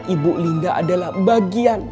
ibu linda adalah bagian